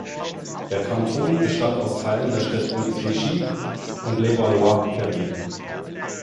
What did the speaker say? Der Kanton bestand aus Teilen der Städte Clichy und Levallois-Perret.